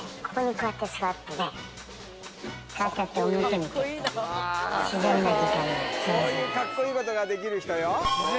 こういうカッコいいことができる人よ。